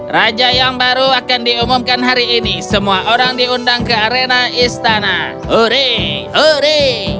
raja yang baru akan diumumkan hari ini semua orang diundang ke arena istana uri